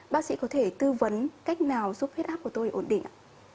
bác sĩ có thể tư vấn cách nào giúp huyết áp của tôi ổn định ạ